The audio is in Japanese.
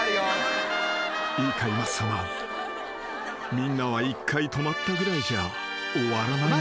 ［みんなは１回止まったぐらいじゃ終わらないんだ］